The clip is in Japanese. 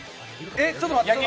ちょっと待って。